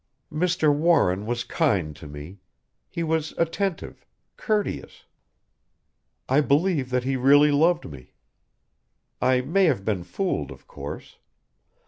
"Mr. Warren was kind to me. He was attentive courteous I believe that he really loved me. I may have been fooled, of course.